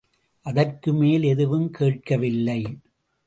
அதற்கு மேல் எதுவும் கேட்கவில்லை.